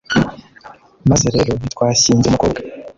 "maze rero ntitwashyingira umukobwa